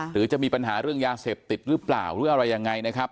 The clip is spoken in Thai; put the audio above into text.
หรือจะมีปัญหาเรื่องยาเสพติดหรือเปล่าหรืออะไรยังไงนะครับ